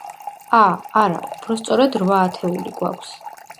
ა, არა, უფრო სწორად, რვა ათეული გვაქვს.